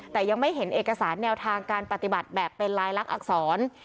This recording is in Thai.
แต่ยังไม่เห็นเอกสารแนวทางการปฏิบัติแบบเป็นลายลักษณอักษร